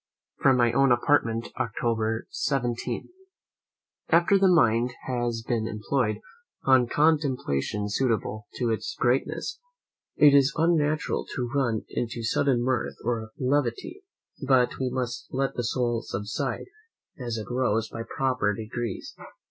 From my own Apartment, October 17. After the mind has been employed on contemplations suitable to its greatness, it is unnatural to run into sudden mirth or levity; but we must let the soul subside, as it rose, by proper degrees.